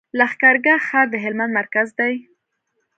لښکر ګاه ښار د هلمند مرکز دی.